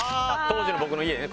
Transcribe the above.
当時の僕の家ね。